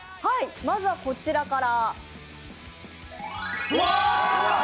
まずはこちらから。